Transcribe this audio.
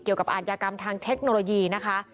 เกี่ยวกับอารยากรรมทางเทคโนโลยีนะคะ